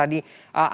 anda mengatakan bahwa